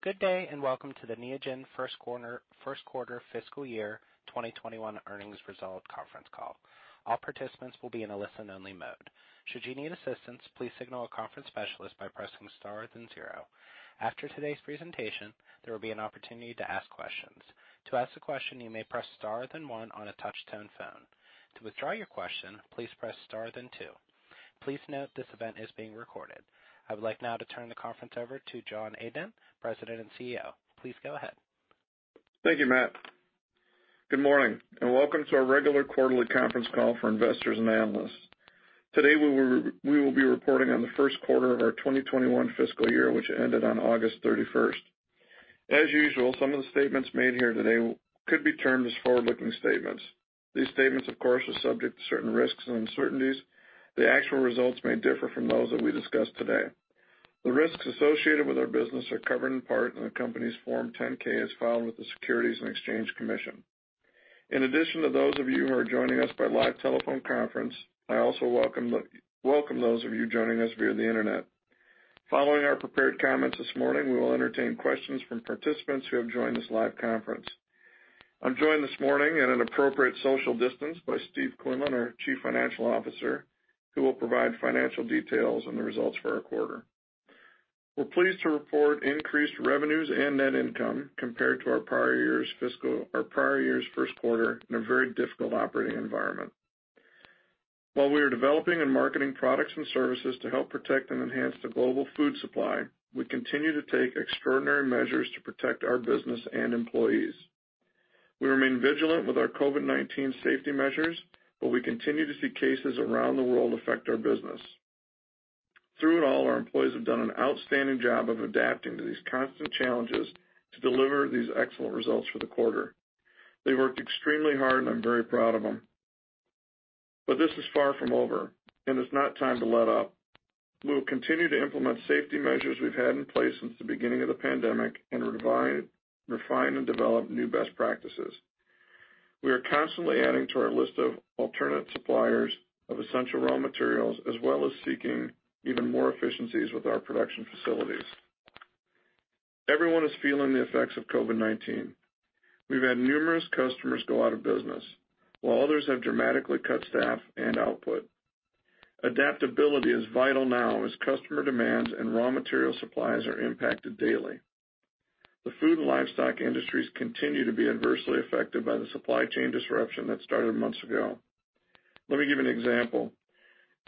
Good day and welcome to Neogen first quarter fiscal year 2021 earnings result conference call. All participants will be in a listen only mode. Should you need assistance, please signal a conference specialist by pressing star then zero. After today's presentation, there will be an opportunity to ask questions. To ask a question you may press star then one on a touchtone phone. To withdraw your question, please press star then two. Please note this event is being recorded. I would like now to turn the conference over to John Adent, President and CEO. Please go ahead. Thank you, Matt. Good morning, and welcome to our regular quarterly conference call for investors and analysts. Today we will be reporting on the first quarter of our 2021 fiscal year, which ended on August 31st. As usual, some of the statements made here today could be termed as forward-looking statements. These statements, of course, are subject to certain risks and uncertainties. The actual results may differ from those that we discuss today. The risks associated with our business are covered in part in the company's Form 10-K, as filed with the Securities and Exchange Commission. In addition to those of you who are joining us by live telephone conference, I also welcome those of you joining us via the internet. Following our prepared comments this morning, we will entertain questions from participants who have joined this live conference. I'm joined this morning, at an appropriate social distance, by Steve Quinlan, our Chief Financial Officer, who will provide financial details on the results for our quarter. We're pleased to report increased revenues and net income compared to our prior year's first quarter in a very difficult operating environment. While we are developing and marketing products and services to help protect and enhance the global food supply, we continue to take extraordinary measures to protect our business and employees. We remain vigilant with our COVID-19 safety measures. We continue to see cases around the world affect our business. Through it all, our employees have done an outstanding job of adapting to these constant challenges to deliver these excellent results for the quarter. They worked extremely hard. I'm very proud of them. This is far from over, and it's not time to let up. We will continue to implement safety measures we've had in place since the beginning of the pandemic and refine and develop new best practices. We are constantly adding to our list of alternate suppliers of essential raw materials, as well as seeking even more efficiencies with our production facilities. Everyone is feeling the effects of COVID-19. We've had numerous customers go out of business, while others have dramatically cut staff and output. Adaptability is vital now as customer demands and raw material supplies are impacted daily. The food and livestock industries continue to be adversely affected by the supply chain disruption that started months ago. Let me give an example.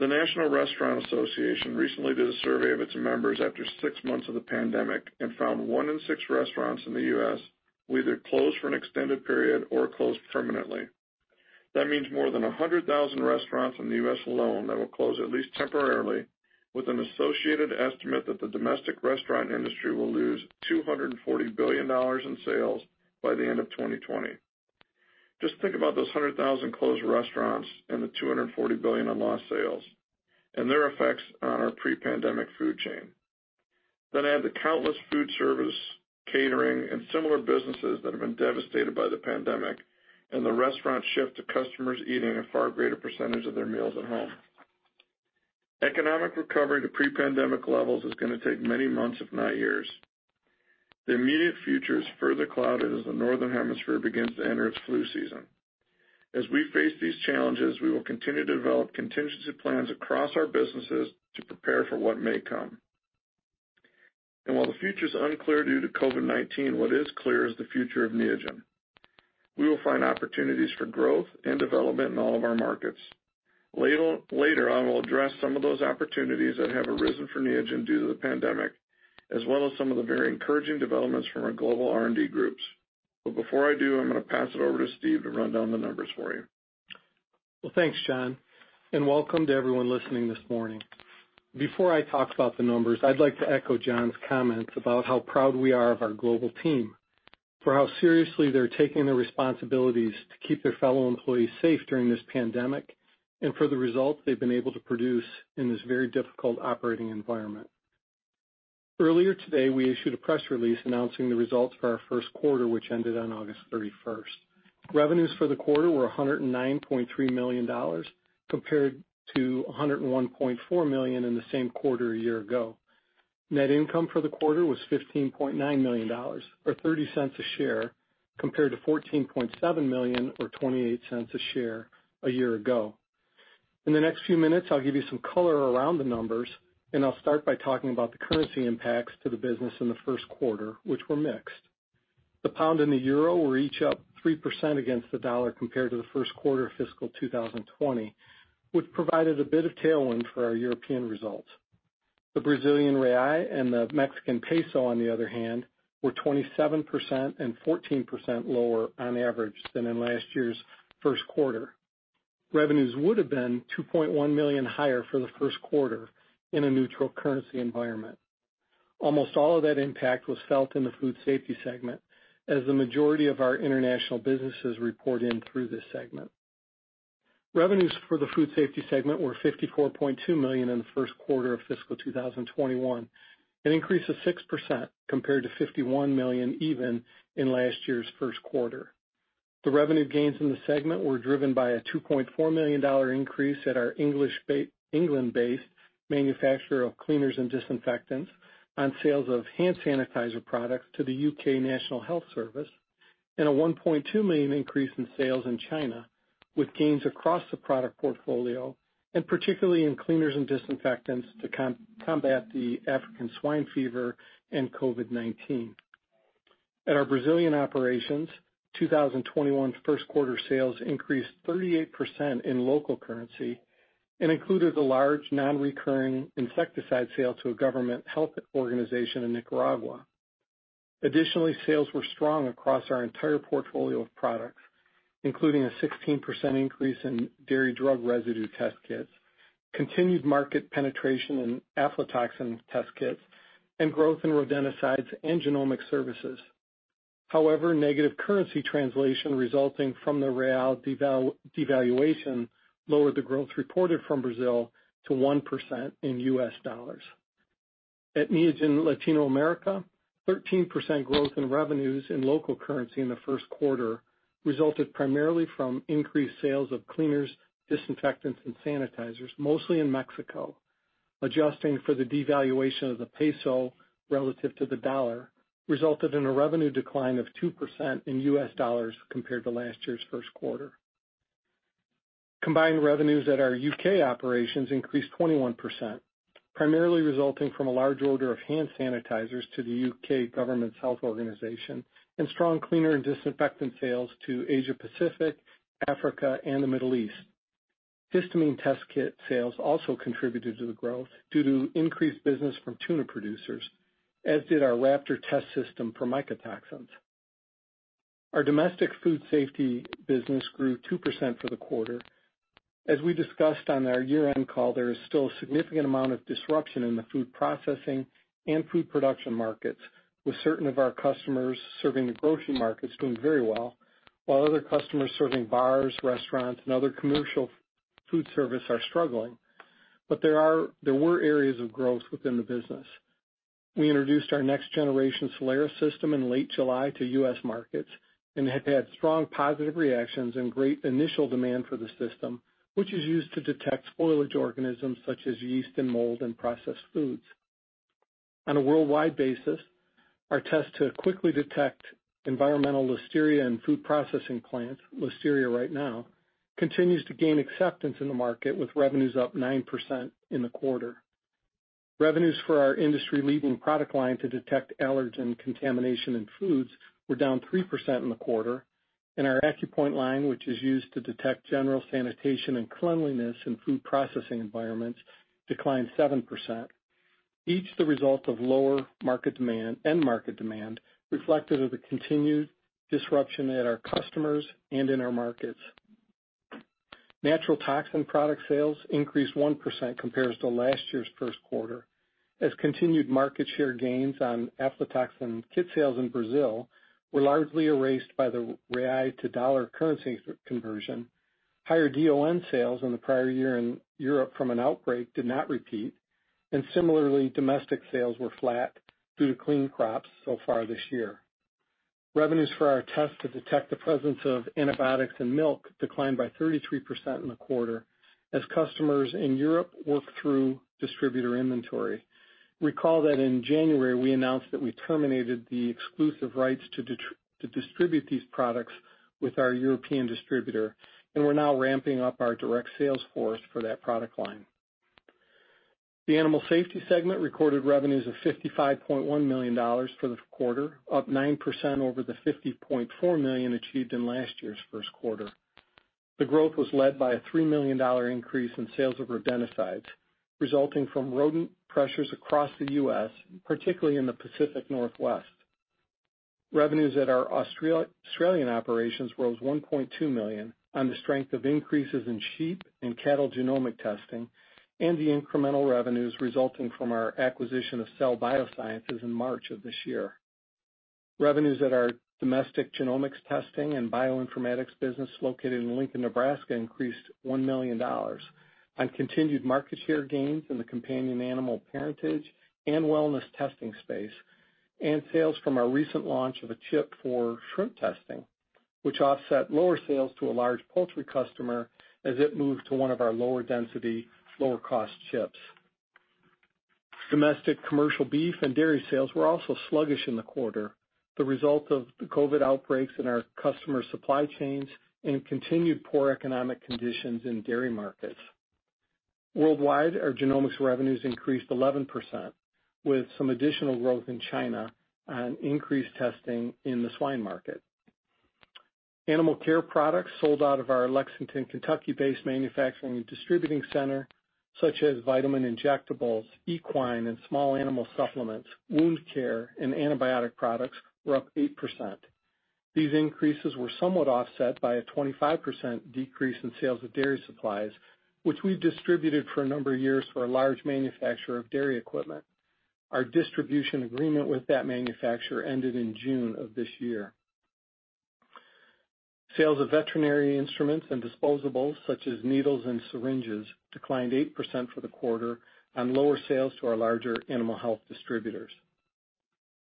The National Restaurant Association recently did a survey of its members after six months of the pandemic and found one in six restaurants in the U.S. will either close for an extended period or close permanently. That means more than 100,000 restaurants in the U.S. alone that will close at least temporarily, with an associated estimate that the domestic restaurant industry will lose $240 billion in sales by the end of 2020. Just think about those 100,000 closed restaurants and the $240 billion in lost sales and their effects on our pre-pandemic food chain. Add the countless food service, catering, and similar businesses that have been devastated by the pandemic and the restaurant shift to customers eating a far greater percentage of their meals at home. Economic recovery to pre-pandemic levels is going to take many months, if not years. The immediate future is further clouded as the northern hemisphere begins to enter its flu season. As we face these challenges, we will continue to develop contingency plans across our businesses to prepare for what may come. While the future's unclear due to COVID-19, what is clear is the future of Neogen. We will find opportunities for growth and development in all of our markets. Later, I will address some of those opportunities that have arisen for Neogen due to the pandemic, as well as some of the very encouraging developments from our global R&D groups. Before I do, I'm going to pass it over to Steve to run down the numbers for you. Well, thanks, John, and welcome to everyone listening this morning. Before I talk about the numbers, I'd like to echo John's comments about how proud we are of our global team for how seriously they're taking their responsibilities to keep their fellow employees safe during this pandemic and for the results they've been able to produce in this very difficult operating environment. Earlier today, we issued a press release announcing the results for our first quarter, which ended on August 31st. Revenues for the quarter were $109.3 million, compared to $101.4 million in the same quarter a year ago. Net income for the quarter was $15.9 million, or $0.30 a share, compared to $14.7 million, or $0.28 a share, a year ago. In the next few minutes, I'll give you some color around the numbers, and I'll start by talking about the currency impacts to the business in the first quarter, which were mixed. The pound and the euro were each up 3% against the U.S. dollar compared to the first quarter of fiscal 2020, which provided a bit of tailwind for our European results. The Brazilian real and the Mexican peso, on the other hand, were 27% and 14% lower on average than in last year's first quarter. Revenues would have been $2.1 million higher for the first quarter in a neutral currency environment. Almost all of that impact was felt in the food safety segment, as the majority of our international businesses report in through this segment. Revenues for the food safety segment were $54.2 million in the first quarter of fiscal 2021, an increase of 6% compared to $51 million even in last year's first quarter. The revenue gains in the segment were driven by a $2.4 million increase at our England-based manufacturer of cleaners and disinfectants on sales of hand sanitizer products to the U.K. National Health Service, and a $1.2 million increase in sales in China, with gains across the product portfolio, and particularly in cleaners and disinfectants to combat the African swine fever and COVID-19. At our Brazilian operations, 2021's first quarter sales increased 38% in local currency and included a large non-recurring insecticide sale to a government health organization in Nicaragua. Additionally, sales were strong across our entire portfolio of products, including a 16% increase in dairy drug residue test kits, continued market penetration in aflatoxin test kits, and growth in rodenticides and genomic services. However, negative currency translation resulting from the BRL devaluation lowered the growth reported from Brazil to 1% in U.S. dollars. At Neogen Latinoamerica, 13% growth in revenues in local currency in the first quarter resulted primarily from increased sales of cleaners, disinfectants, and sanitizers, mostly in Mexico. Adjusting for the devaluation of the MXN relative to the dollar resulted in a revenue decline of 2% in U.S. dollars compared to last year's first quarter. Combined revenues at our U.K. operations increased 21%, primarily resulting from a large order of hand sanitizers to the U.K. government's health organization and strong cleaner and disinfectant sales to Asia Pacific, Africa, and the Middle East. Histamine test kit sales also contributed to the growth due to increased business from tuna producers, as did our Raptor test system for mycotoxins. Our domestic food safety business grew 2% for the quarter. As we discussed on our year-end call, there is still a significant amount of disruption in the food processing and food production markets, with certain of our customers serving the grocery markets doing very well, while other customers serving bars, restaurants, and other commercial food service are struggling. There were areas of growth within the business. We introduced our next generation Soleris system in late July to U.S. markets and have had strong positive reactions and great initial demand for the system, which is used to detect spoilage organisms such as yeast and mold in processed foods. On a worldwide basis, our test to quickly detect environmental Listeria in food processing plants, Listeria Right Now, continues to gain acceptance in the market with revenues up 9% in the quarter. Revenues for our industry-leading product line to detect allergen contamination in foods were down 3% in the quarter. Our AccuPoint line, which is used to detect general sanitation and cleanliness in food processing environments, declined 7%. Each the result of lower end market demand reflected of the continued disruption at our customers and in our markets. Natural toxin product sales increased 1% compared to last year's first quarter, as continued market share gains on aflatoxin kit sales in Brazil were largely erased by the BRL to USD currency conversion. Higher DON sales in the prior year in Europe from an outbreak did not repeat. Similarly, domestic sales were flat due to clean crops so far this year. Revenues for our test to detect the presence of antibiotics in milk declined by 33% in the quarter as customers in Europe work through distributor inventory. Recall that in January, we announced that we terminated the exclusive rights to distribute these products with our European distributor. We're now ramping up our direct sales force for that product line. The animal safety segment recorded revenues of $55.1 million for the quarter, up 9% over the $50.4 million achieved in last year's first quarter. The growth was led by a $3 million increase in sales of rodenticides, resulting from rodent pressures across the U.S., particularly in the Pacific Northwest. Revenues at our Australian operations rose $1.2 million on the strength of increases in sheep and cattle genomic testing and the incremental revenues resulting from our acquisition of Cell Biosciences in March of this year. Revenues at our domestic genomics testing and bioinformatics business located in Lincoln, Nebraska, increased $1 million on continued market share gains in the companion animal parentage and wellness testing space, and sales from our recent launch of a chip for shrimp testing, which offset lower sales to a large poultry customer as it moved to one of our lower density, lower cost chips. Domestic commercial beef and dairy sales were also sluggish in the quarter, the result of the COVID outbreaks in our customer supply chains and continued poor economic conditions in dairy markets. Worldwide, our genomics revenues increased 11%, with some additional growth in China on increased testing in the swine market. Animal care products sold out of our Lexington, Kentucky-based manufacturing and distributing center, such as vitamin injectables, equine and small animal supplements, wound care, and antibiotic products were up 8%. These increases were somewhat offset by a 25% decrease in sales of dairy supplies, which we've distributed for a number of years for a large manufacturer of dairy equipment. Our distribution agreement with that manufacturer ended in June of this year. Sales of veterinary instruments and disposables, such as needles and syringes, declined 8% for the quarter on lower sales to our larger animal health distributors.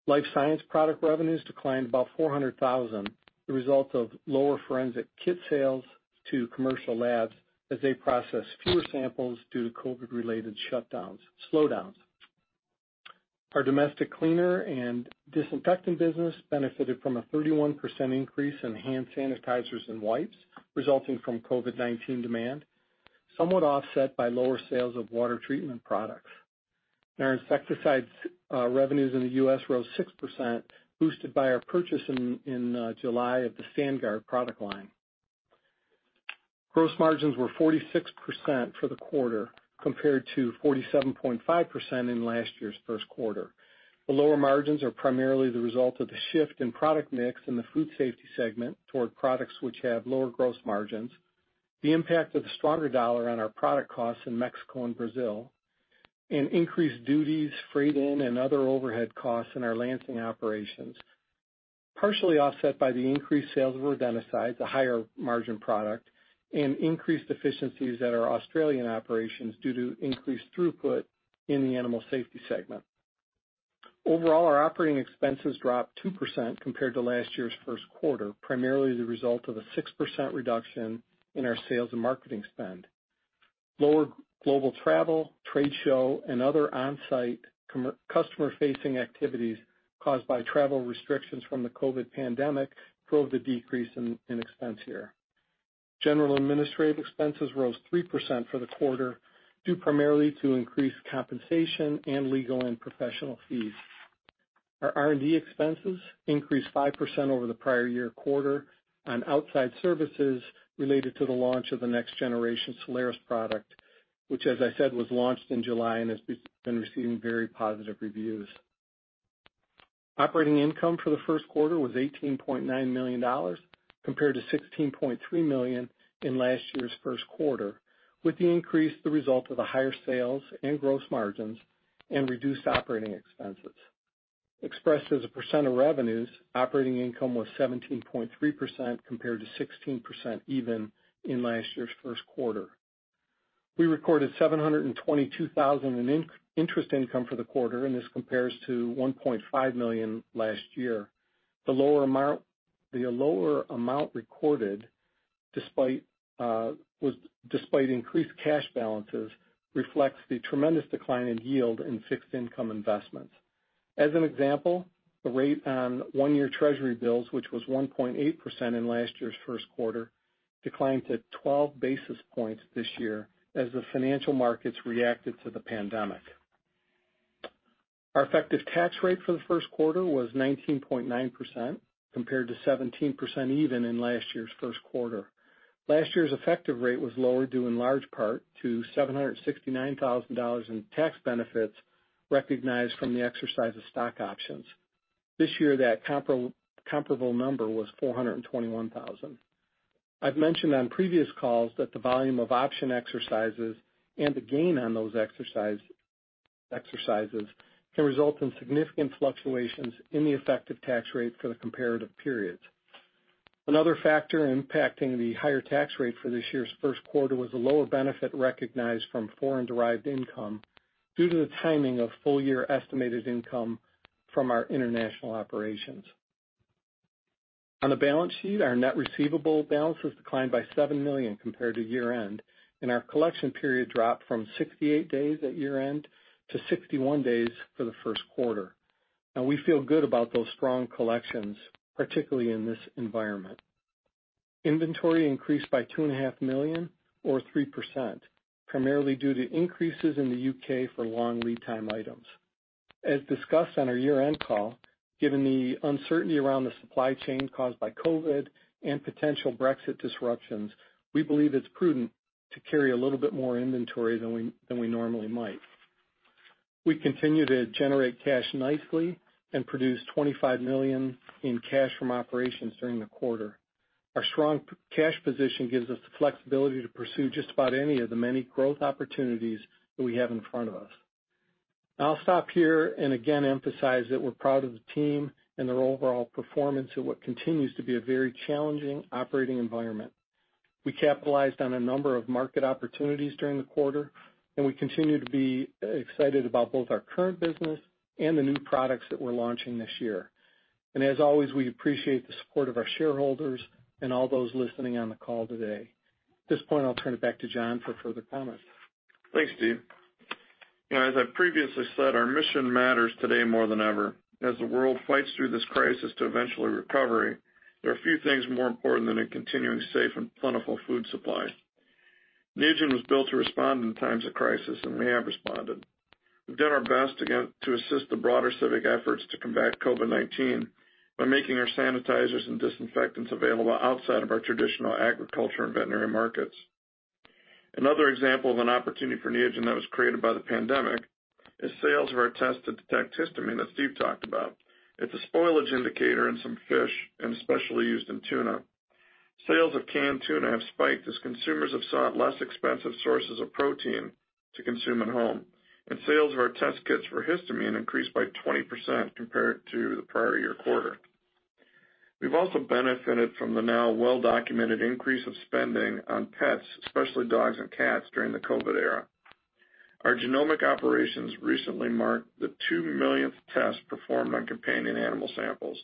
Life science product revenues declined about $400,000, the result of lower forensic kit sales to commercial labs as they processed fewer samples due to COVID-related shutdowns, slowdowns. Our domestic cleaner and disinfectant business benefited from a 31% increase in hand sanitizers and wipes resulting from COVID-19 demand, somewhat offset by lower sales of water treatment products. Our insecticides revenues in the U.S. rose 6%, boosted by our purchase in July of the StandGuard product line. Gross margins were 46% for the quarter, compared to 47.5% in last year's first quarter. The lower margins are primarily the result of the shift in product mix in the Food Safety Segment toward products which have lower gross margins, the impact of the stronger dollar on our product costs in Mexico and Brazil, and increased duties, freight in, and other overhead costs in our Lansing operations, partially offset by the increased sales of rodenticides, a higher-margin product, and increased efficiencies at our Australian operations due to increased throughput in the Animal Safety Segment. Overall, our operating expenses dropped 2% compared to last year's first quarter, primarily the result of a 6% reduction in our sales and marketing spend. Lower global travel, trade show, and other on-site customer-facing activities caused by travel restrictions from the COVID pandemic drove the decrease in expense here. General administrative expenses rose 3% for the quarter, due primarily to increased compensation in legal and professional fees. Our R&D expenses increased 5% over the prior year quarter on outside services related to the launch of the next-generation Soleris product, which as I said, was launched in July and has been receiving very positive reviews. Operating income for the first quarter was $18.9 million, compared to $16.3 million in last year's first quarter, with the increase the result of the higher sales and gross margins and reduced operating expenses. Expressed as a percent of revenues, operating income was 17.3% compared to 16% even in last year's first quarter. We recorded $722,000 in interest income for the quarter. This compares to $1.5 million last year. The lower amount recorded despite increased cash balances reflects the tremendous decline in yield in fixed income investments. As an example, the rate on one-year Treasury bills, which was 1.8% in last year's first quarter, declined to 12 basis points this year as the financial markets reacted to the pandemic. Our effective tax rate for the first quarter was 19.9%, compared to 17% even in last year's first quarter. Last year's effective rate was lower due in large part to $769,000 in tax benefits recognized from the exercise of stock options. This year, that comparable number was $421,000. I've mentioned on previous calls that the volume of option exercises and the gain on those exercises can result in significant fluctuations in the effective tax rate for the comparative periods. Another factor impacting the higher tax rate for this year's first quarter was the lower benefit recognized from foreign-derived income due to the timing of full-year estimated income from our international operations. On the balance sheet, our net receivable balances declined by $7 million compared to year-end, and our collection period dropped from 68 days at year-end to 61 days for the first quarter. Now, we feel good about those strong collections, particularly in this environment. Inventory increased by $2.5 million or 3%, primarily due to increases in the U.K. for long lead time items. As discussed on our year-end call, given the uncertainty around the supply chain caused by COVID and potential Brexit disruptions, we believe it's prudent to carry a little bit more inventory than we normally might. We continue to generate cash nicely and produced $25 million in cash from operations during the quarter. Our strong cash position gives us the flexibility to pursue just about any of the many growth opportunities that we have in front of us. I'll stop here and again emphasize that we're proud of the team and their overall performance in what continues to be a very challenging operating environment. We capitalized on a number of market opportunities during the quarter, and we continue to be excited about both our current business and the new products that we're launching this year. As always, we appreciate the support of our shareholders and all those listening on the call today. At this point, I'll turn it back to John for further comments. Thanks, Steve. As I previously said, our mission matters today more than ever. As the world fights through this crisis to eventually recovery, there are few things more important than a continuing safe and plentiful food supply. Neogen was built to respond in times of crisis and we have responded. We've done our best to assist the broader civic efforts to combat COVID-19 by making our sanitizers and disinfectants available outside of our traditional agriculture and veterinary markets. Another example of an opportunity for Neogen that was created by the pandemic is sales of our test to detect histamine, as Steve talked about. It's a spoilage indicator in some fish and especially used in tuna. Sales of canned tuna have spiked as consumers have sought less expensive sources of protein to consume at home. Sales of our test kits for histamine increased by 20% compared to the prior year quarter. We've also benefited from the now well-documented increase of spending on pets, especially dogs and cats, during the COVID era. Our genomic operations recently marked the 2 millionth test performed on companion animal samples,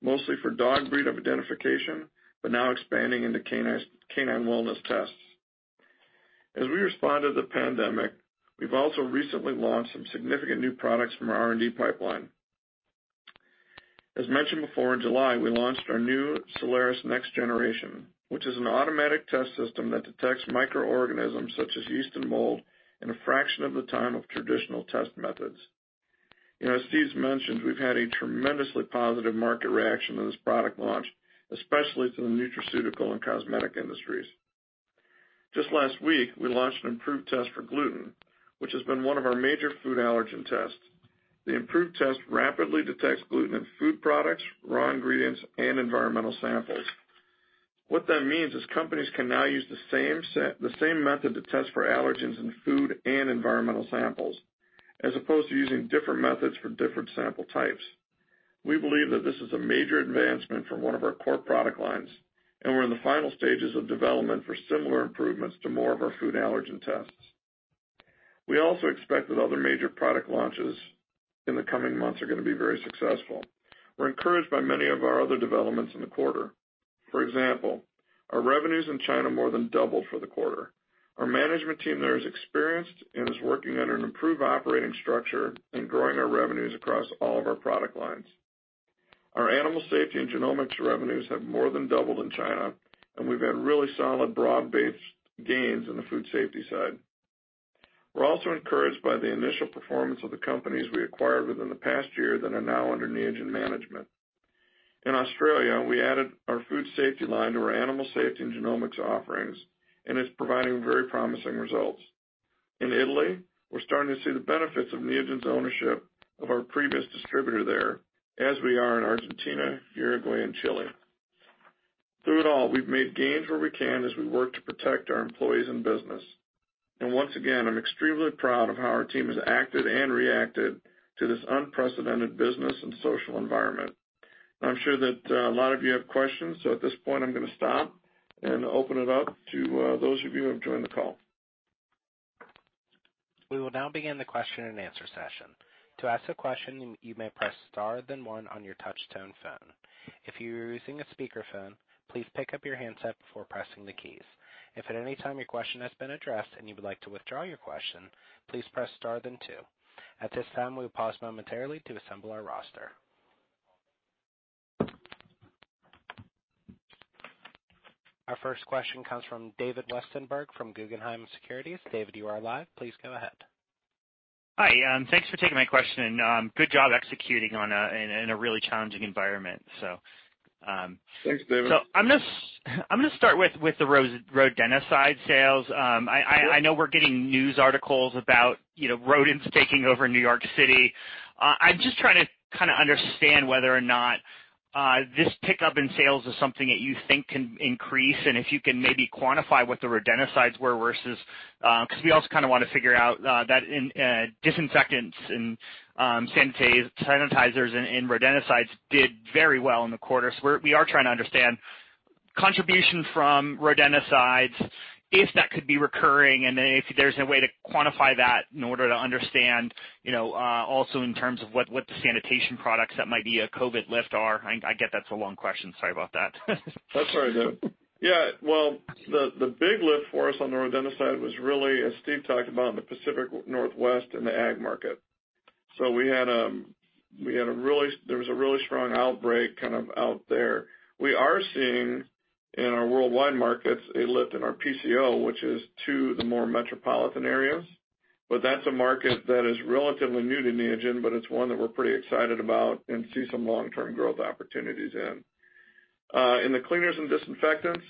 mostly for dog breed of identification, but now expanding into canine wellness tests. As we respond to the pandemic, we've also recently launched some significant new products from our R&D pipeline. As mentioned before, in July, we launched our new Soleris Next Generation, which is an automatic test system that detects microorganisms such as yeast and mold in a fraction of the time of traditional test methods. As Steven's mentioned, we've had a tremendously positive market reaction to this product launch, especially to the nutraceutical and cosmetic industries. Just last week, we launched an improved test for gluten, which has been one of our major food allergen tests. The improved test rapidly detects gluten in food products, raw ingredients, and environmental samples. What that means is companies can now use the same method to test for allergens in food and environmental samples, as opposed to using different methods for different sample types. We believe that this is a major advancement from one of our core product lines, and we're in the final stages of development for similar improvements to more of our food allergen tests. We also expect that other major product launches in the coming months are going to be very successful. We're encouraged by many of our other developments in the quarter. For example, our revenues in China more than doubled for the quarter. Our management team there is experienced and is working under an improved operating structure and growing our revenues across all of our product lines. Our animal safety and genomics revenues have more than doubled in China, and we've had really solid, broad-based gains in the food safety side. We're also encouraged by the initial performance of the companies we acquired within the past year that are now under Neogen management. In Australia, we added our food safety line to our animal safety and genomics offerings, and it's providing very promising results. In Italy, we're starting to see the benefits of Neogen's ownership of our previous distributor there, as we are in Argentina, Uruguay, and Chile. Through it all, we've made gains where we can as we work to protect our employees and business. Once again, I'm extremely proud of how our team has acted and reacted to this unprecedented business and social environment. I'm sure that a lot of you have questions. At this point, I'm going to stop and open it up to those of you who have joined the call. We will now begin the question and answer session. To ask a question, you may press star then one on your touch tone phone. If you are using a speakerphone, please pick up your handset before pressing the keys. If at any time your question has been addressed and you would like to withdraw your question, please press star then two. At this time, we will pause momentarily to assemble our roster. Our first question comes from David Westenberg from Guggenheim Securities. David, you are live. Please go ahead. Hi. Thanks for taking my question. Good job executing in a really challenging environment. Thanks, David. I'm going to start with the rodenticide sales. I know we're getting news articles about rodents taking over New York City. I'm just trying to kind of understand whether or not this pickup in sales is something that you think can increase, and if you can maybe quantify what the rodenticides were versus. Because we also kind of want to figure out that in disinfectants and sanitizers and rodenticides did very well in the quarter. We are trying to understand contribution from rodenticides, if that could be recurring, and then if there's a way to quantify that in order to understand also in terms of what the sanitation products that might be a COVID lift are. I get that's a long question. Sorry about that. That's all right, David. Well, the big lift for us on the rodenticide was really, as Steve talked about, in the Pacific Northwest and the ag market. There was a really strong outbreak out there. We are seeing, in our worldwide markets, a lift in our PCO, which is to the more metropolitan areas. That's a market that is relatively new to Neogen, but it's one that we're pretty excited about and see some long-term growth opportunities in. In the cleaners and disinfectants,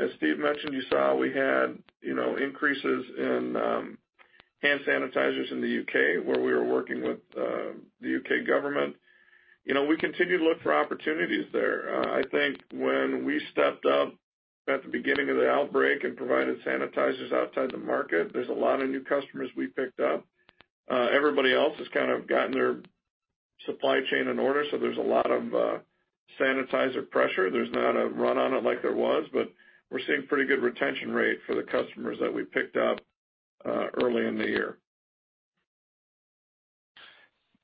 as Steve mentioned, you saw we had increases in hand sanitizers in the U.K., where we were working with the U.K. government. We continue to look for opportunities there. I think when we stepped up at the beginning of the outbreak and provided sanitizers outside the market, there's a lot of new customers we picked up. Everybody else has kind of gotten their supply chain in order, so there's a lot of sanitizer pressure. There's not a run on it like there was, but we're seeing pretty good retention rate for the customers that we picked up early in the year.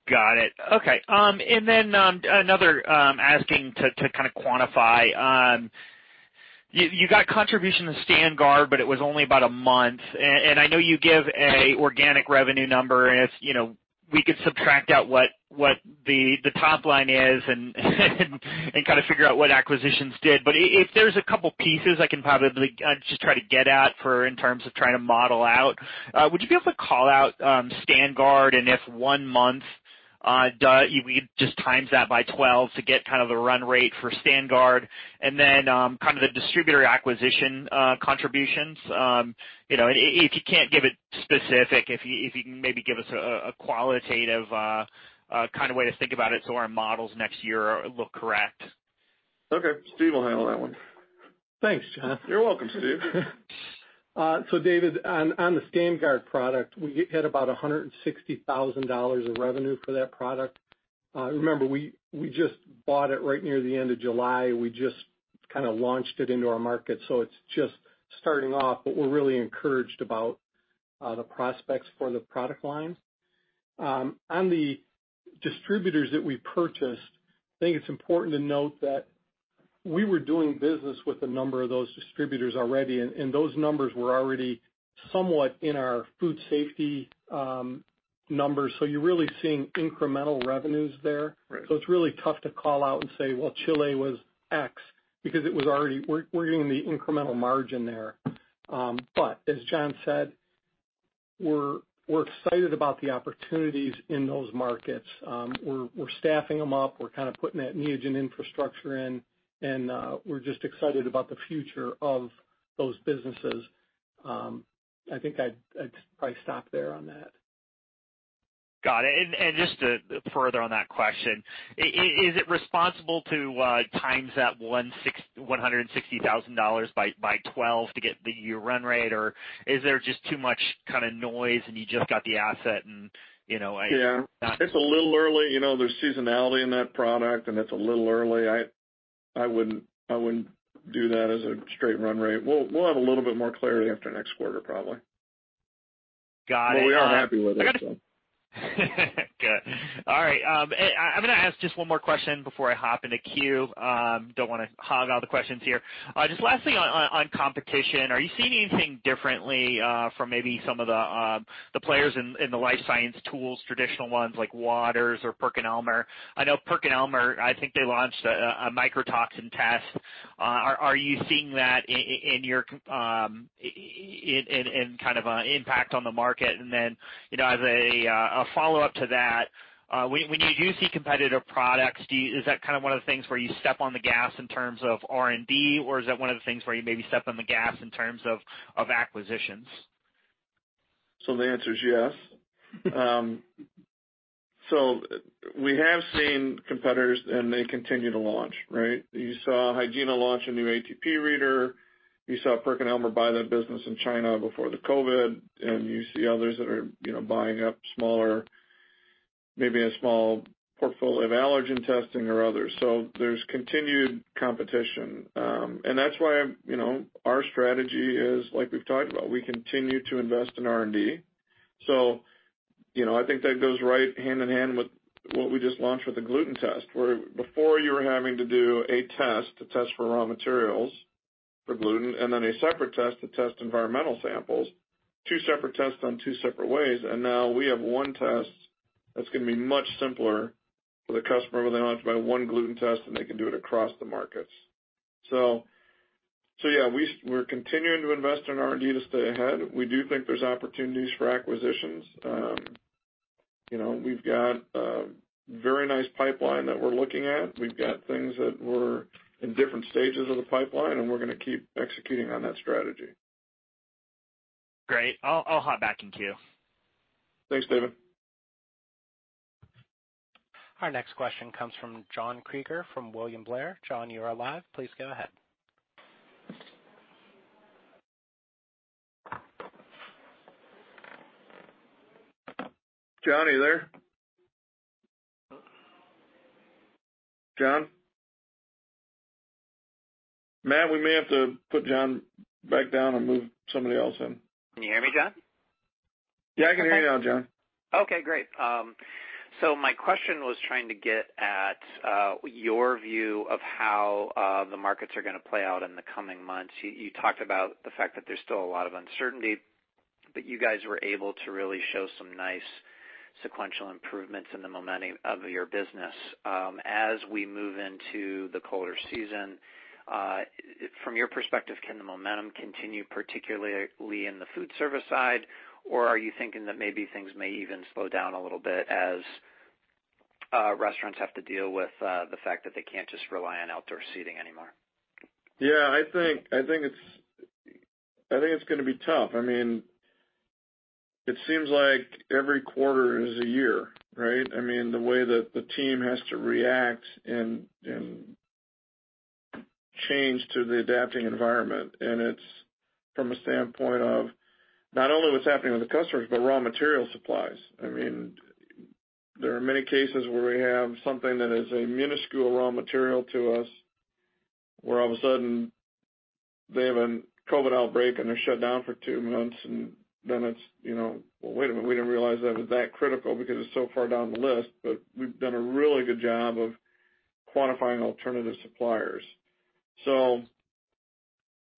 Got it. Okay. Then another, asking to kind of quantify. You got contribution to StandGuard, but it was only about one month. I know you give a organic revenue number, and if we could subtract out what the top line is and kind of figure out what acquisitions did. If there's a couple pieces I can probably just try to get at in terms of trying to model out, would you be able to call out StandGuard and if one month, we just times that by 12 to get kind of the run rate for StandGuard? Then kind of the distributor acquisition contributions. If you can't give it specific, if you can maybe give us a qualitative kind of way to think about it so our models next year look correct. Okay. Steve will handle that one. Thanks, John. You're welcome, Steve. David, on the StandGuard product, we hit about $160,000 of revenue for that product. Remember, we just bought it right near the end of July. We just kind of launched it into our market. It's just starting off, but we're really encouraged about the prospects for the product line. On the distributors that we purchased, I think it's important to note that we were doing business with a number of those distributors already, and those numbers were already somewhat in our food safety numbers. You're really seeing incremental revenues there. Right. It's really tough to call out and say, "Well, Chile was X," because we're getting the incremental margin there. As John said, we're excited about the opportunities in those markets. We're staffing them up. We're kind of putting that Neogen infrastructure in, and we're just excited about the future of those businesses. I think I'd probably stop there on that. Got it. Just further on that question, is it responsible to times that $160,000 by 12 to get the year run rate? Is there just too much kind of noise and you just got the asset? Yeah. It's a little early. There's seasonality in that product, and it's a little early. I wouldn't do that as a straight run rate. We'll have a little bit more clarity after next quarter, probably. Got it. We are happy with it. Good. All right. I'm going to ask just one more question before I hop in the queue. Don't want to hog all the questions here. Just lastly on competition, are you seeing anything differently, from maybe some of the players in the life science tools, traditional ones like Waters or PerkinElmer? I know PerkinElmer, I think they launched a mycotoxin test. Are you seeing that in kind of impact on the market? As a follow-up to that, when you do see competitive products, is that one of the things where you step on the gas in terms of R&D, or is that one of the things where you maybe step on the gas in terms of acquisitions? The answer is yes. We have seen competitors, and they continue to launch, right? You saw Hygiena launch a new ATP reader. You saw PerkinElmer buy that business in China before the COVID, and you see others that are buying up smaller, maybe a small portfolio of allergen testing or others. There's continued competition. That's why our strategy is like we've talked about. We continue to invest in R&D. I think that goes right hand in hand with what we just launched with the gluten test, where before you were having to do a test to test for raw materials for gluten, and then a separate test to test environmental samples, two separate tests on two separate ways. Now we have one test that's going to be much simpler for the customer, where they only have to buy one gluten test, and they can do it across the markets. Yeah, we're continuing to invest in R&D to stay ahead. We do think there's opportunities for acquisitions. We've got a very nice pipeline that we're looking at. We've got things that we're in different stages of the pipeline, and we're going to keep executing on that strategy. Great. I'll hop back in queue. Thanks, David. Our next question comes from John Kreger from William Blair. John, you are live. Please go ahead. John, are you there? John? Matt, we may have to put John back down and move somebody else in. Can you hear me, John? Yeah, I can hear you now, John. Okay, great. My question was trying to get at your view of how the markets are going to play out in the coming months. You talked about the fact that there's still a lot of uncertainty, but you guys were able to really show some nice sequential improvements in the momentum of your business. As we move into the colder season, from your perspective, can the momentum continue, particularly in the food service side? Are you thinking that maybe things may even slow down a little bit as restaurants have to deal with the fact that they can't just rely on outdoor seating anymore? I think it's gonna be tough. It seems like every quarter is a year, right? The way that the team has to react and change to the adapting environment. It's from a standpoint of not only what's happening with the customers, but raw material supplies. There are many cases where we have something that is a minuscule raw material to us, where all of a sudden they have a COVID outbreak, and they're shut down for two months, and then it's, "Well, wait a minute. We didn't realize that was that critical because it's so far down the list." We've done a really good job of quantifying alternative suppliers.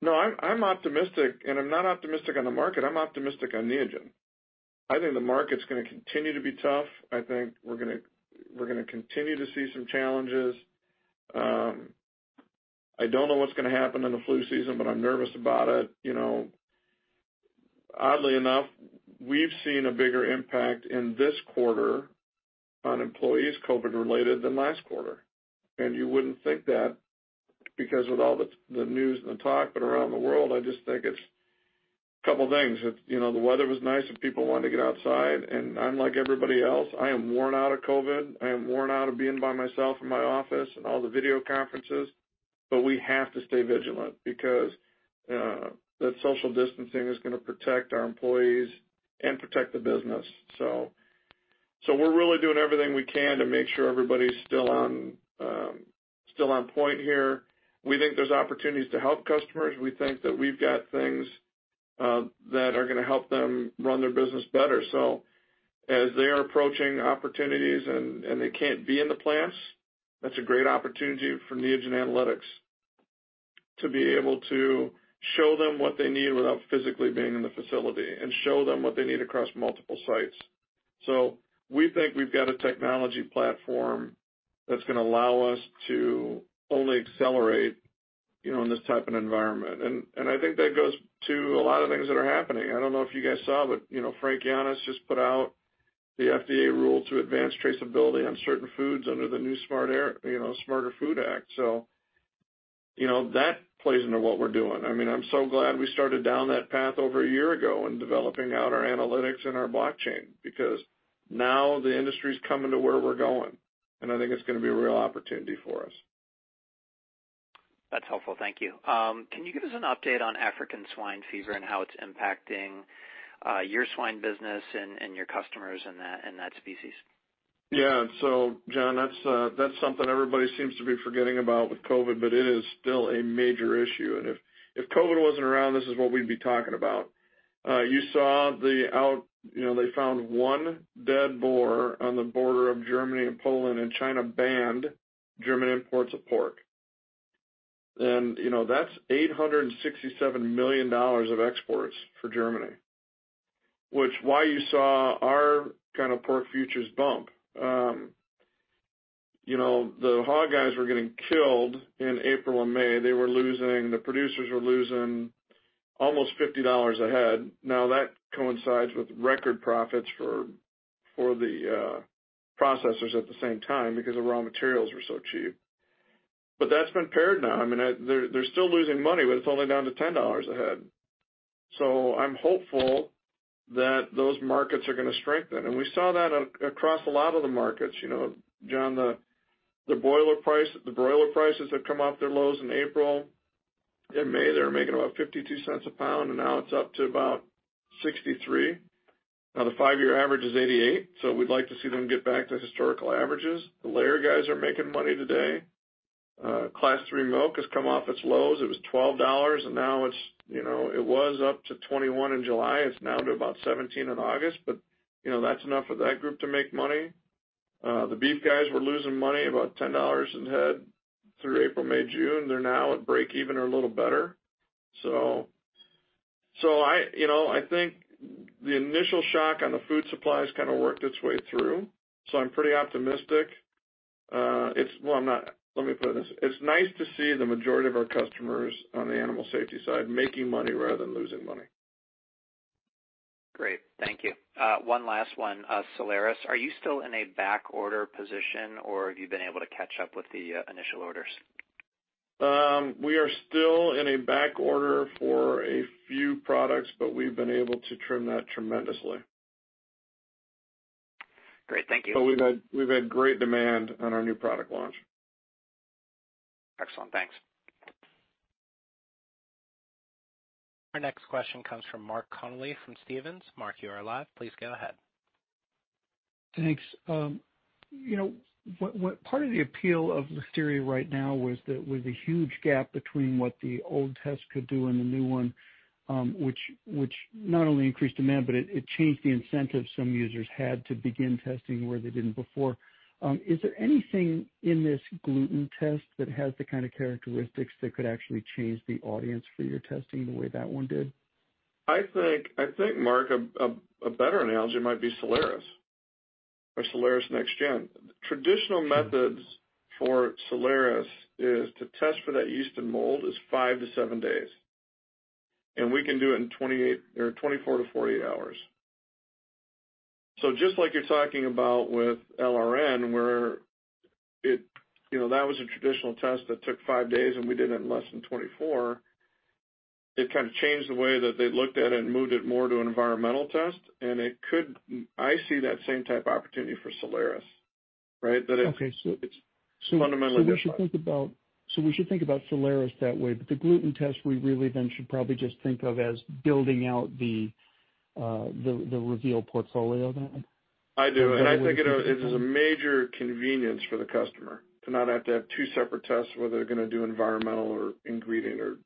No, I'm optimistic, and I'm not optimistic on the market. I'm optimistic on Neogen. I think the market's gonna continue to be tough. I think we're gonna continue to see some challenges. I don't know what's gonna happen in the flu season, but I'm nervous about it. Oddly enough, we've seen a bigger impact in this quarter on employees, COVID related, than last quarter. You wouldn't think that because with all the news and the talk, but around the world, I just think it's a couple things. The weather was nice and people wanted to get outside, and I'm like everybody else. I am worn out of COVID. I am worn out of being by myself in my office and all the video conferences. We have to stay vigilant because that social distancing is going to protect our employees and protect the business. We're really doing everything we can to make sure everybody's still on point here. We think there's opportunities to help customers. We think that we've got things that are going to help them run their business better. As they are approaching opportunities and they can't be in the plants, that's a great opportunity for Neogen Analytics to be able to show them what they need without physically being in the facility, and show them what they need across multiple sites. We think we've got a technology platform that's going to allow us to only accelerate in this type of environment. I think that goes to a lot of things that are happening. I don't know if you guys saw, but Frank Yiannas just put out the FDA rule to advance traceability on certain foods under the new Smarter Food Act. That plays into what we're doing. I'm so glad we started down that path over a year ago in developing out our analytics and our blockchain, because now the industry's coming to where we're going, and I think it's going to be a real opportunity for us. That's helpful. Thank you. Can you give us an update on African swine fever and how it's impacting your swine business and your customers in that species? Yeah. John, that's something everybody seems to be forgetting about with COVID, but it is still a major issue. If COVID wasn't around, this is what we'd be talking about. You saw they found one dead boar on the border of Germany and Poland, and China banned German imports of pork. That's $867 million of exports for Germany. Which is why you saw our kind of pork futures bump. The hog guys were getting killed in April and May. The producers were losing almost $50 a head. Now, that coincides with record profits for the processors at the same time, because the raw materials were so cheap. That's been paired now. They're still losing money, but it's only down to $10 a head. I'm hopeful that those markets are going to strengthen, and we saw that across a lot of the markets. John, the broiler prices have come off their lows in April. In May, they were making about $0.52 a pound, and now it's up to about $0.63. The 5-year average is $0.88, we'd like to see them get back to historical averages. The layer guys are making money today. Class III milk has come off its lows. It was $12, and now it was up to $21 in July. It's down to about $17 in August, that's enough for that group to make money. The beef guys were losing money, about $10 a head through April, May, June. They're now at break even or a little better. I think the initial shock on the food supplies kind of worked its way through, I'm pretty optimistic. Well, I'm not. Let me put it this way. It's nice to see the majority of our customers on the animal safety side making money rather than losing money. Great, thank you. One last one. Soleris, are you still in a back order position, or have you been able to catch up with the initial orders? We are still in a back order for a few products, but we've been able to trim that tremendously. Great, thank you. We've had great demand on our new product launch. Excellent, thanks. Our next question comes from Mark Connelly from Stephens. Mark, you are live. Please go ahead. Thanks. Part of the appeal of Listeria Right Now was that with the huge gap between what the old test could do and the new one, which not only increased demand, but it changed the incentive some users had to begin testing where they didn't before. Is there anything in this gluten test that has the kind of characteristics that could actually change the audience for your testing the way that one did? I think, Mark, a better analogy might be Soleris or Soleris Next Gen. Traditional methods for Soleris is to test for that yeast and mold is five to seven days. We can do it in 24 to 48 hours. Just like you're talking about with LRN, where that was a traditional test that took five days. We did it in less than 24. It kind of changed the way that they looked at it and moved it more to an environmental test. I see that same type of opportunity for Soleris, right? That it's fundamentally different. We should think about Soleris that way. The gluten test, we really then should probably just think of as building out the Reveal portfolio then? I do. I think it is a major convenience for the customer to not have to have two separate tests, whether they are going to do environmental ingredient or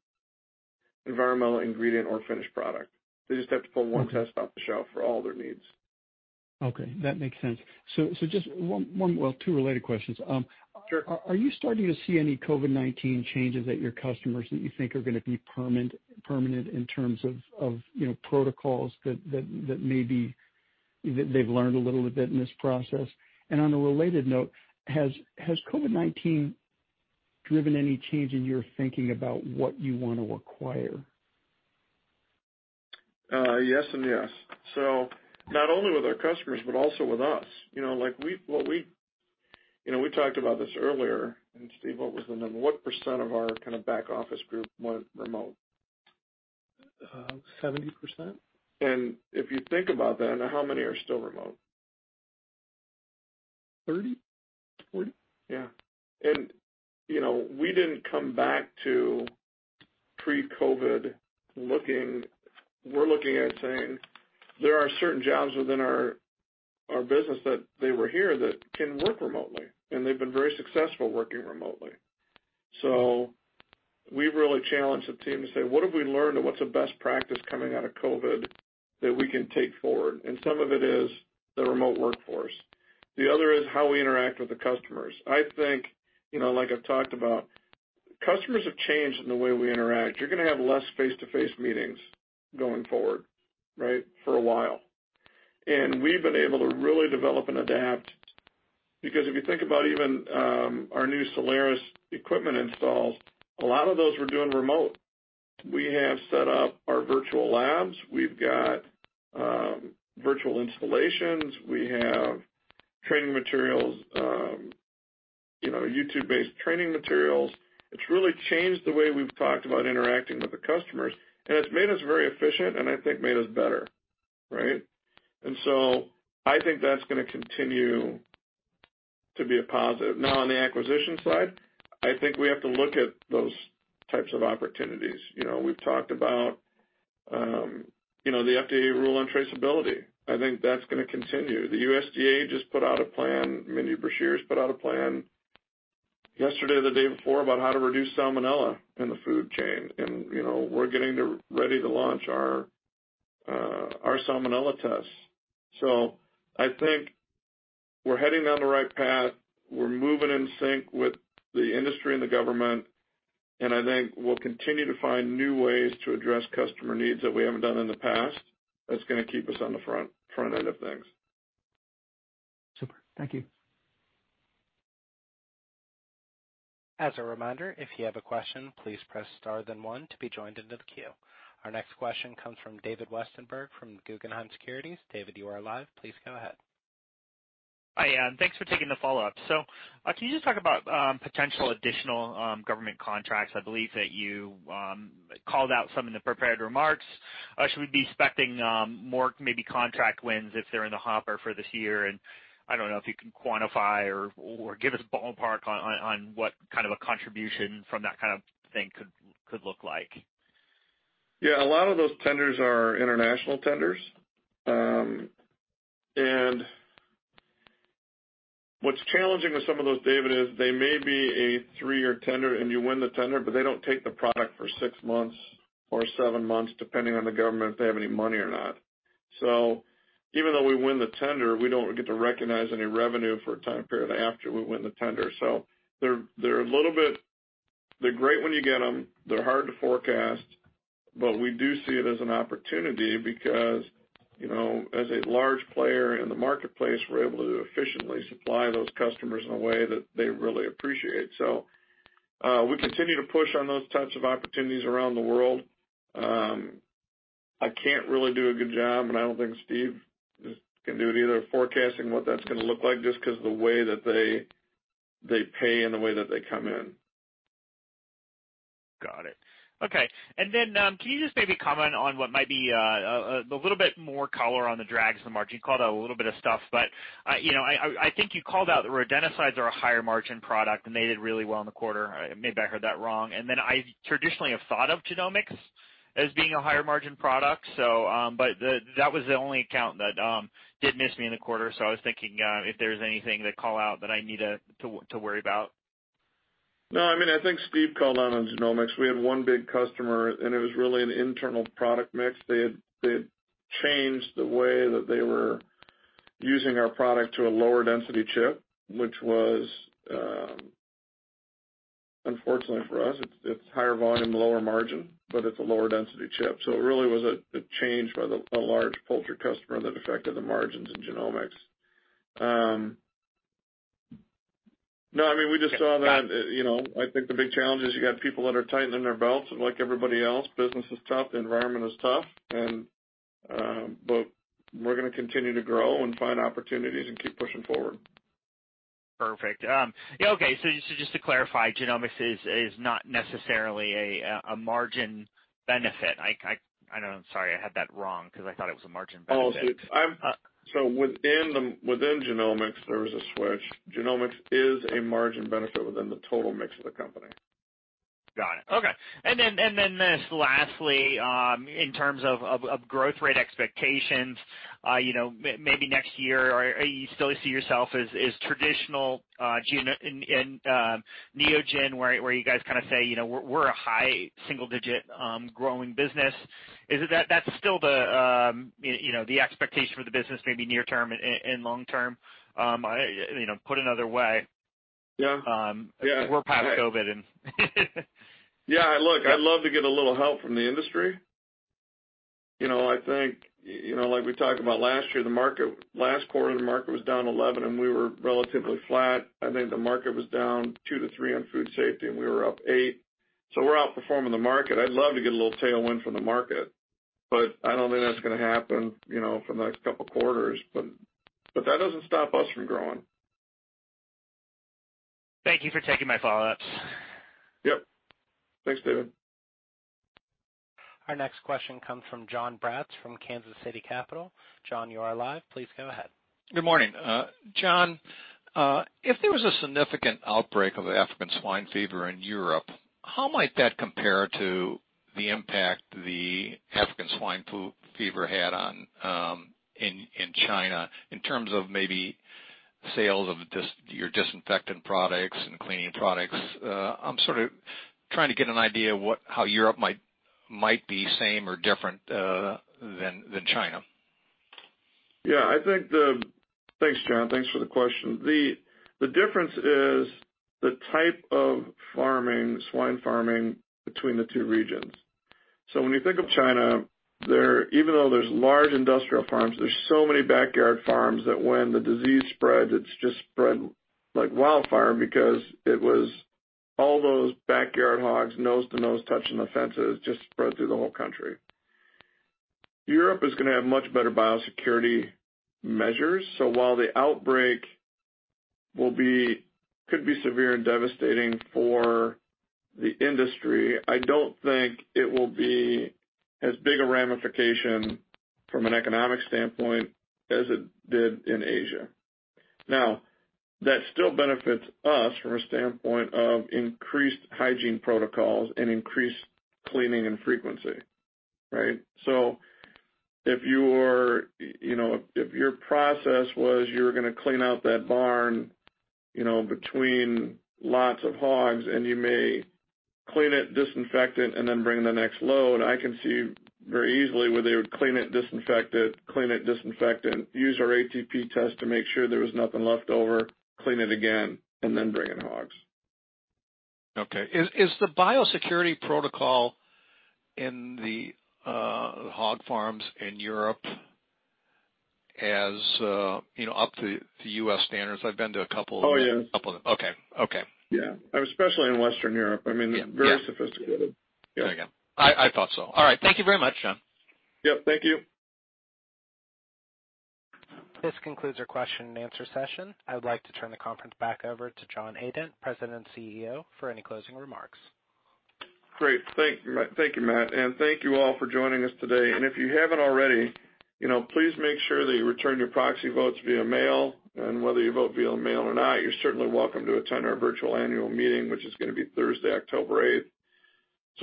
finished product. They just have to pull one test off the shelf for all their needs. Okay, that makes sense. Just two related questions. Sure. Are you starting to see any COVID-19 changes at your customers that you think are going to be permanent in terms of protocols that maybe they've learned a little bit in this process? On a related note, has COVID-19 driven any change in your thinking about what you want to acquire? Yes and yes. Not only with our customers, but also with us. What we talked about this earlier, Steve, what was the number? What % of our back office group went remote? 70%. If you think about that, now how many are still remote? 30, 40. Yeah. We didn't come back to pre-COVID. We're looking at saying there are certain jobs within our business that they were here that can work remotely, and they've been very successful working remotely. We've really challenged the team to say, what have we learned and what's a best practice coming out of COVID that we can take forward? Some of it is the remote workforce. The other is how we interact with the customers. I think, like I've talked about, customers have changed in the way we interact. You're going to have less face-to-face meetings going forward for a while. We've been able to really develop and adapt because if you think about even our new Soleris equipment installs, a lot of those we're doing remote. We have set up our virtual labs. We've got virtual installations. We have training materials, YouTube-based training materials. It's really changed the way we've talked about interacting with the customers, and it's made us very efficient and I think made us better. Right? I think that's going to continue to be a positive. Now, on the acquisition side, I think we have to look at those types of opportunities. We've talked about the FDA rule on traceability. I think that's going to continue. The USDA just put out a plan, Vilsack put out a plan yesterday or the day before about how to reduce Salmonella in the food chain. We're getting ready to launch our Salmonella tests. I think we're heading down the right path. We're moving in sync with the industry and the government, and I think we'll continue to find new ways to address customer needs that we haven't done in the past. That's going to keep us on the front end of things. Super. Thank you. As a reminder, if you have a question, please press star then one to be joined into the queue. Our next question comes from David Westenberg from Guggenheim Securities. David, you are live. Please go ahead. Hi, and thanks for taking the follow-up. Can you just talk about potential additional government contracts? I believe that you called out some in the prepared remarks. Should we be expecting more maybe contract wins if they're in the hopper for this year? I don't know if you can quantify or give us a ballpark on what kind of a contribution from that kind of thing could look like. Yeah, a lot of those tenders are international tenders. What's challenging with some of those, David, is they may be a three-year tender and you win the tender, but they don't take the product for six months or seven months, depending on the government, if they have any money or not. Even though we win the tender, we don't get to recognize any revenue for a time period after we win the tender. They're great when you get them. They're hard to forecast, but we do see it as an opportunity because, as a large player in the marketplace, we're able to efficiently supply those customers in a way that they really appreciate. We continue to push on those types of opportunities around the world. I can't really do a good job, and I don't think Steve can do it either, forecasting what that's going to look like just because of the way that they pay and the way that they come in. Got it. Okay. Can you just maybe comment on what might be a little bit more color on the drags in the margin? You called out a little bit of stuff, but I think you called out that rodenticides are a higher margin product, and they did really well in the quarter. Maybe I heard that wrong. I traditionally have thought of genomics as being a higher margin product. That was the only account that did miss me in the quarter. I was thinking if there's anything to call out that I need to worry about. No, I think Steve called out on genomics. We had one big customer, and it was really an internal product mix. They had changed the way that they were using our product to a lower density chip, which was, unfortunately for us, it's higher volume, lower margin, but it's a lower density chip. It really was a change by a large poultry customer that affected the margins in genomics. No, we just saw that. I think the big challenge is you got people that are tightening their belts like everybody else. Business is tough. The environment is tough. We're going to continue to grow and find opportunities and keep pushing forward. Perfect. Okay. Just to clarify, genomics is not necessarily a margin benefit. I'm sorry, I had that wrong because I thought it was a margin benefit. Within genomics, there was a switch. Genomics is a margin benefit within the total mix of the company. Got it. Okay. This lastly, in terms of growth rate expectations, maybe next year or you still see yourself as traditional in Neogen where you guys say, we're a high single digit growing business. Is that still the expectation for the business, maybe near term and long term? Yeah. We're past COVID and. Yeah, look, I'd love to get a little help from the industry. I think, like we talked about last year, last quarter, the market was down 11. We were relatively flat. I think the market was down 2%-3% on food safety. We were up 8%. We're outperforming the market. I don't think that's going to happen for the next couple of quarters. That doesn't stop us from growing. Thank you for taking my follow-ups. Yep. Thanks, David. Our next question comes from Jon Braatz from Kansas City Capital. Jon, you are live. Please go ahead. Good morning. John, if there was a significant outbreak of African swine fever in Europe, how might that compare to the impact the African swine fever had in China in terms of maybe sales of your disinfectant products and cleaning products? I'm sort of trying to get an idea of how Europe might be same or different than China. Yeah. Thanks, John. Thanks for the question. The difference is the type of swine farming between the two regions. When you think of China, even though there's large industrial farms, there's so many backyard farms that when the disease spreads, it just spreads like wildfire because it was all those backyard hogs, nose to nose, touching the fences, just spread through the whole country. Europe is going to have much better biosecurity measures. While the outbreak could be severe and devastating for the industry, I don't think it will be as big a ramification from an economic standpoint as it did in Asia. That still benefits us from a standpoint of increased hygiene protocols and increased cleaning and frequency, right? If your process was you were going to clean out that barn between lots of hogs, and you may clean it, disinfect it, and then bring the next load, I can see very easily where they would clean it, disinfect it, clean it, disinfect it, use our ATP test to make sure there was nothing left over, clean it again, and then bring in hogs. Okay. Is the biosecurity protocol in the hog farms in Europe up to U.S. standards? Oh, yeah. A couple of them. Okay. Yeah. Especially in Western Europe- Yeah -very sophisticated. There you go. I thought so. All right. Thank you very much, John. Yep, thank you. This concludes our question and answer session. I would like to turn the conference back over to John Adent, President and CEO, for any closing remarks. Great. Thank you, Matt. Thank you all for joining us today. If you haven't already, please make sure that you return your proxy votes via mail. Whether you vote via mail or not, you're certainly welcome to attend our virtual annual meeting, which is going to be Thursday, October 8th.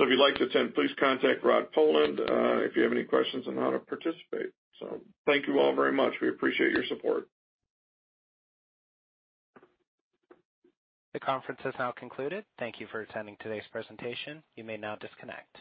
If you'd like to attend, please contact Rod Poland if you have any questions on how to participate. Thank you all very much. We appreciate your support. The conference has now concluded. Thank you for attending today's presentation. You may now disconnect.